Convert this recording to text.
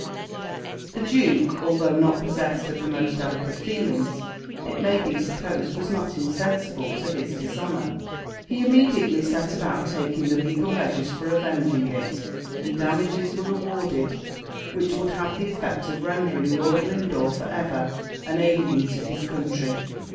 THE Duke, although not possessed of the most delicate feelings, it may be supposed was not insensible to his dishonour. He immediately set about taking the legal measures for avenging it; and damages were awarded, which would have the effect of rendering Lord Lindore for ever an alien to his country.